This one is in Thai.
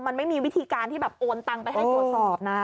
มันไม่มีวิธีการที่แบบโอนตังไปให้ตรวจสอบนะ